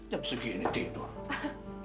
jam segini tidur